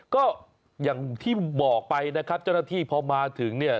ก็อย่างที่บอกไปนะครับเจ้าหน้าที่พอมาถึงเนี่ย